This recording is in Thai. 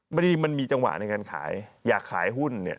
บางทีมันมีจังหวะในการขายอยากขายหุ้นเนี่ย